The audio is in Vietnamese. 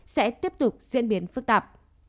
sẽ tiếp tục diễn biến phức tạp